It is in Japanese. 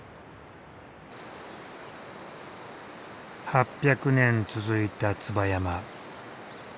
８００年続いた椿山。